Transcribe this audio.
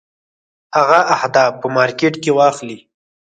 هغه اهداف په مارکېټ کې واخلي.